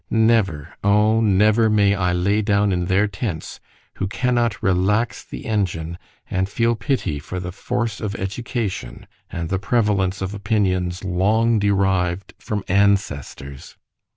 —Never—O never may I lay down in their tents, who cannot relax the engine, and feel pity for the force of education, and the prevalence of opinions long derived from ancestors!